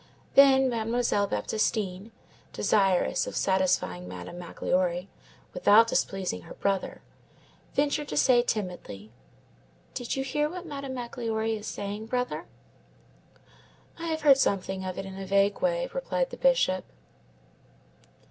Then Mademoiselle Baptistine, desirous of satisfying Madame Magloire without displeasing her brother, ventured to say timidly:— "Did you hear what Madame Magloire is saying, brother?" "I have heard something of it in a vague way," replied the Bishop.